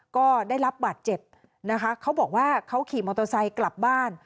ก็ได้รับบาดเจ็บนะคะเขาบอกว่าเขาขี่มอเตอร์ไซค์กลับบ้าน